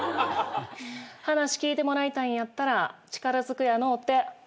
話聞いてもらいたいんやったら力ずくやのうて。